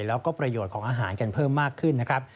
แล้วก็ประโยชน์ของอาหารกันเพิ่มมากขึ้นนะครับ